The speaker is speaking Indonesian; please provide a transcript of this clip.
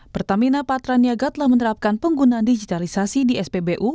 pertamina patraniaga telah menerapkan penggunaan digitalisasi di spbu